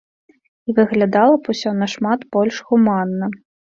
І выглядала б усё нашмат больш гуманна.